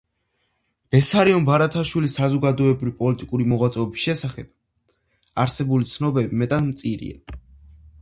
ბესარიონ ბარათაშვილის საზოგადოებრივ-პოლიტიკური მოღვაწეობის შესახებ არსებული ცნობები მეტად მწირია.